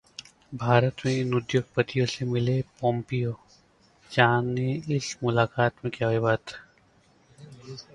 भारत में इन उद्योगपतियों से मिले पोम्पियो, जानें इस मुलाकात में क्या हुई बात